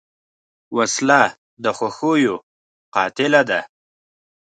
وسله د خوښیو قاتله ده